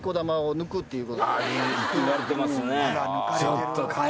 いわれてますね。